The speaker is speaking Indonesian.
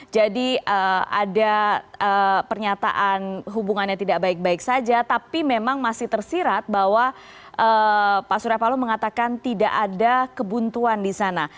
ada pernyataan hubungannya tidak baik baik saja tapi memang masih tersirat bahwa pak surya paloh mengatakan tidak ada kebuntuan di sana